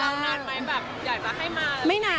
เมื่อก่อนเล่านานไหมแบบอยากจะให้มา